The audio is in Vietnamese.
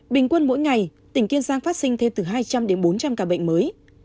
bình quân mỗi ngày tỉnh kiên giang phát sinh thêm từ hai trăm linh đến bốn trăm linh ca bệnh mới